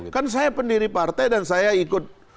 kan saya pendiri partai dan saya ikut